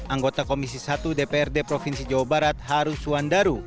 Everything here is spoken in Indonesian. anggota komisi satu dprd provinsi jawa barat haru suwandaru